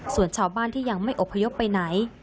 ส่วนชาวบ้านที่ยังไม่อบพยพไปไหน